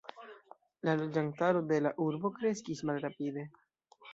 La loĝantaro de la urbo kreskis malrapide.